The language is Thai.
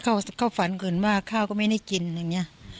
ก็ก็ฝันเหงื่อว่าเป็นเข้าก็กหาซากขันได้ไม่ได้กิน